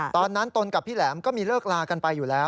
ตนกับพี่แหลมก็มีเลิกลากันไปอยู่แล้ว